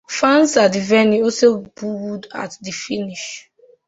Fans at the venue also booed at the finish.